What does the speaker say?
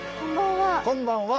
こんばんは。